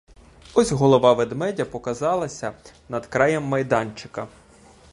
Ось голова ведмедя показалася над краєм майданчика.